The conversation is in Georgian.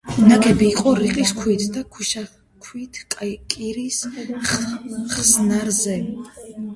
ნაგები იყო რიყის ქვით და ქვიშაქვით კირის ხსნარზე.